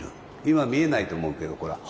今見えないと思うけどほら。